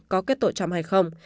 có kết tội trump hay không